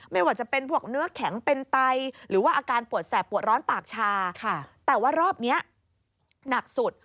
ไม่ว่าจะเป็นพวกเนื้อแข็งเป็นไตหรือว่าอาการปวดแสบปวดร้อนปากชาแต่ว่ารอบนี้หนักสุด